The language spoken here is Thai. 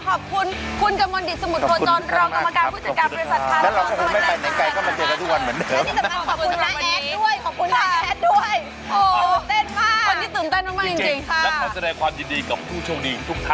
ขอบคุณคุณกะโมงดิสมุดโภชน